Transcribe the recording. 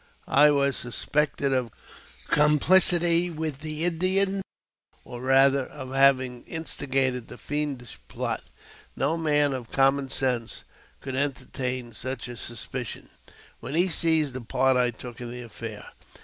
I was suspected of complicity with the Indians, or, rather, of having instigated the fiendish plot. No man of common sense could entertain such a suspicion, when he sees the part I took in the affair.